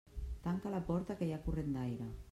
Tanca la porta que hi ha corrent d'aire.